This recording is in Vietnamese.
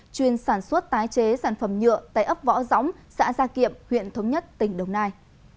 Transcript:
chuyên sản xuất tái chế sản phẩm nhựa tại ấp võ gióng xã gia kiệm huyện thống nhất tỉnh đồng nai